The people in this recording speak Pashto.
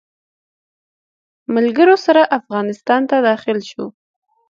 ملګرو سره افغانستان ته داخل شو.